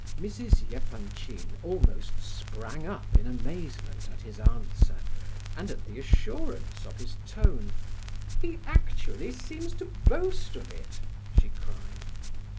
Mrs. Epanchin almost sprang up in amazement at his answer, and at the assurance of his tone. "He actually seems to boast of it!" she cried.